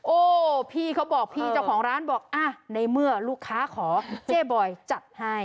โอ้พี่เขาบอกพี่เจ้าของร้านบอกอ่ะในเมื่อลูกค้าขอเจ๊บอยจัดให้